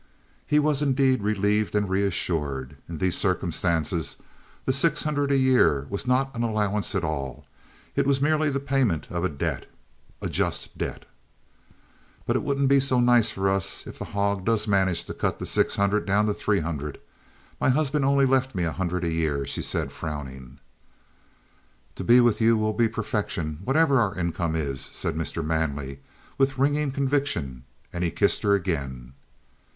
He was, indeed, relieved and reassured. In these circumstances the six hundred a year was not an allowance at all. It was merely the payment of a debt a just debt. "But it won't be nearly so nice for us, if the hog does manage to cut the six hundred down to three hundred. My husband only left me a hundred a year," she said, frowning. "To be with you will be perfection, whatever our income is," said Mr. Manley, with ringing conviction, and he kissed her again.